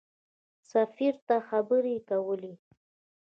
سفیر ته خبرې کولې.